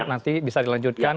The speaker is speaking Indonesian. nanti bisa dilanjutkan